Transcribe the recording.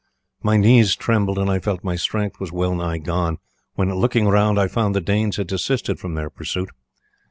My knees trembled, and I felt my strength was well nigh gone, when, looking round, I found the Danes had desisted from their pursuit.